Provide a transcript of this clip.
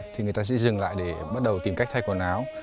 thì người ta sẽ dừng lại để bắt đầu tìm cách thay quần áo